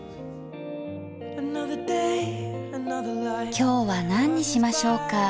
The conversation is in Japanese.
今日は何にしましょうか？